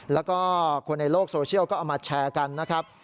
แล้วก็คนในโลกโซเชียลก็เอามาแชร์กันนะครับ